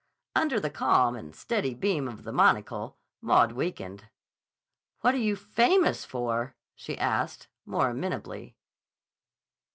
Under the calm and steady beam of the monocle, Maud weakened. "What are you famous for?" she asked, more amenably.